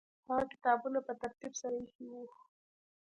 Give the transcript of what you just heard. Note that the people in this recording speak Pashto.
هغه کتابونه په ترتیب سره ایښي وو.